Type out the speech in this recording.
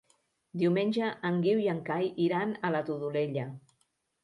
Diumenge en Guiu i en Cai iran a la Todolella.